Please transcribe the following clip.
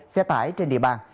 xe tải trên địa bàn